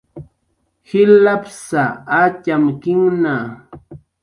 jilapsa atyimkinhna